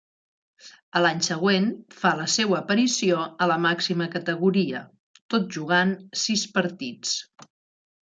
A l'any següent fa la seua aparició a la màxima categoria, tot jugant sis partits.